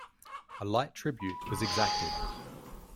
A light tribute was exacted.